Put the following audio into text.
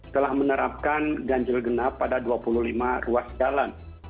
telah menerapkan ganjil genap pada dua puluh lima ruas jalan